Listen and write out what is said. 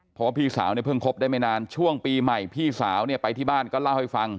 เพราะว่าพี่สาวเนี่ยเพิ่งคบได้ไม่นานช่วงปีใหม่พี่สาวเนี่ยไปที่บ้านก็เล่าให้ฟัง